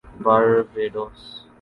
Barbados